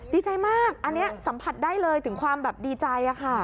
ดีใจมากอันนี้สัมผัสได้เลยถึงความแบบดีใจค่ะ